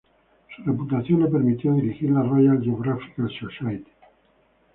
Su reputación le permitió dirigir la Royal Geographical Society.